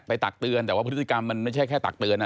ตักเตือนแต่ว่าพฤติกรรมมันไม่ใช่แค่ตักเตือน